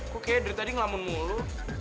kok kayak dari tadi ngelamun mulu